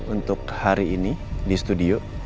untuk hari ini di studio